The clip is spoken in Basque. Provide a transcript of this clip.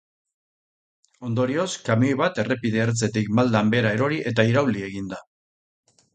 Ondorioz, kamioi bat errepide ertzetik maldan behera erori eta irauli egin da.